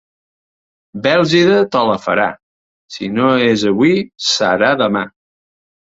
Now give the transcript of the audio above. Bèlgida te la farà, si no és avui serà demà.